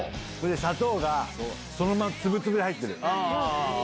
砂糖が、そのままつぶつぶで入ってる。